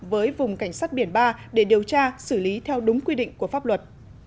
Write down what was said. với vùng cảnh sát biển ba để điều tra xử lý theo đúng quy định của pháp luật